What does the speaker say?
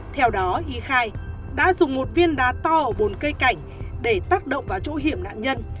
theo đó y khai đã dùng một viên đá to ở bồn cây cảnh để tác động vào chỗ hiểm nạn nhân